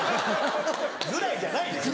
「ぐらい」じゃないです。